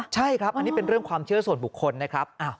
ใช่ครับอันนี้เป็นเรื่องความเชื่อส่วนบุคคลนะครับ